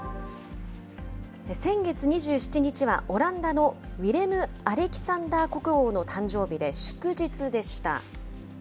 先月２７日は、オランダのウィレム・アレキサンダー国王の誕生日で祝日でした。